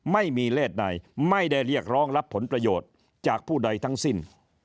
ไม่มีเลขใดไม่ได้เรียกร้องรับผลประโยชน์จากผู้ใดทั้งสิ้น